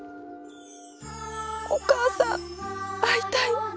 お母さん会いたい。